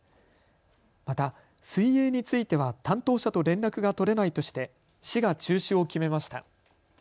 また、水泳については担当者と連絡が取れないとして市が中止を決めました。